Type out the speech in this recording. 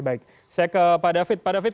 baik saya ke pak david pak david